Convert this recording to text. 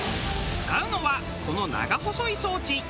使うのはこの長細い装置。